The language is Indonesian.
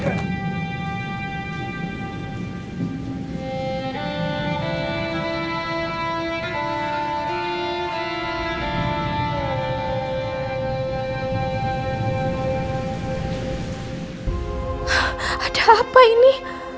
ada apa ini